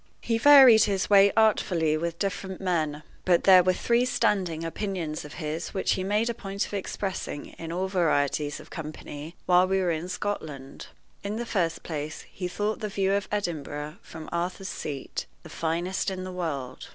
He varied his way artfully with different men, but there were three standing opinions of his which he made a point of expressing in all varieties of company while we were in Scotland. In the first place, he thought the view of Edinburgh from Arthur's Seat the finest in the world.